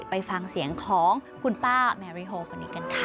ไปฟังเสียงของคุณป้าแมริโฮคนนี้กันค่ะ